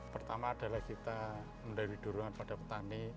pertama adalah kita melalui duruan pada petani